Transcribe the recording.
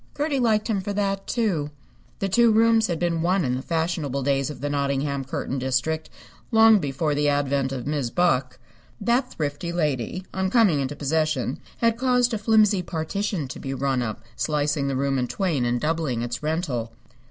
Gertie liked him for that, too. The two rooms had been one in the fashionable days of the Nottingham curtain district, long before the advent of Mis' Buck. That thrifty lady, on coming into possession, had caused a flimsy partition to be run up, slicing the room in twain and doubling its rental.